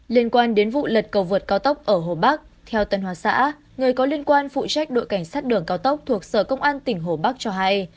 liên quan đến vụ lật cầu vượt cao tốc ở hồ bắc theo tân hoa xã người có liên quan phụ trách đội cảnh sát đường cao tốc thuộc sở công an tỉnh hồ bắc cho hay